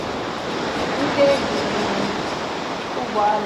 nke gụnyere: ụgbọala Toyota Venza